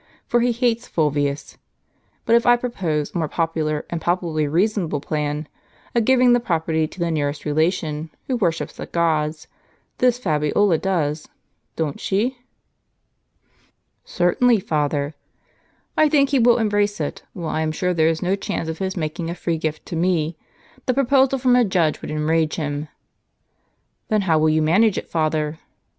For he hates Fulvius. But if I pi opose a more popular and palpably reasonable plan, of giving the property to the nearest relation, who worships the gods— this Fabiola does, don't she ?" w " Certainly, father." "I think he will embrace it: while I am sure there is no chance of his making a free gift to me. The proposal from a judge would enrage him." "Then how will you manage it, father?